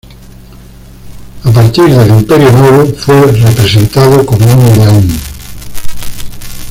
A partir del Imperio Nuevo, fue representado como un león.